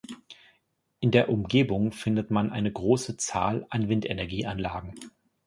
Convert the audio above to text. In der Umgebung findet man eine große Zahl an Windenergieanlagen.